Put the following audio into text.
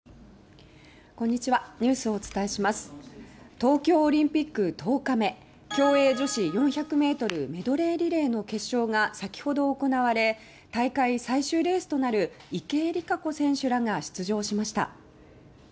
東京オリンピック競泳女子４００ｍメドレーリレーの決勝が先ほど行われ大会最終レースとなる池江璃花子選手らが出場しました。